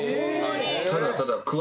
ただただ。